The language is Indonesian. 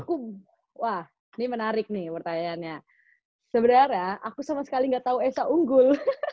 aku wah ini menarik nih pertanyaannya sebenarnya aku sama sekali nggak tahu esa unggul